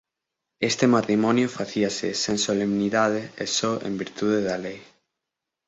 Este matrimonio facíase sen solemnidade e só en virtude da lei.